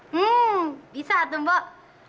hmm bisa tuh mbok